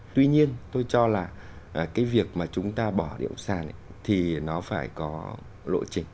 tuy nhiên tôi cho là cái việc mà chúng ta bỏ điệu sàn thì nó phải có lộ trình